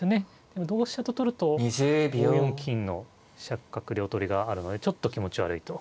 でも同飛車と取ると５四金の飛車角両取りがあるのでちょっと気持ち悪いと。